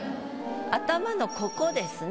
頭のここですね。